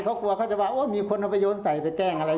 เขากลัวเขาจะว่ามีคนเอาไปโยนใส่ไปแกล้งอะไร